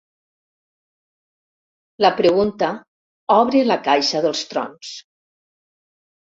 La pregunta obre la caixa dels trons.